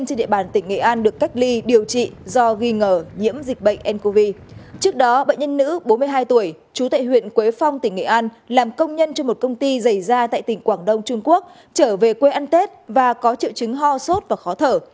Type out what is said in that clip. trước bốn mươi hai tuổi chú tại huyện quế phong tỉnh nghệ an làm công nhân cho một công ty dày da tại tỉnh quảng đông trung quốc trở về quê ăn tết và có triệu chứng ho sốt và khó thở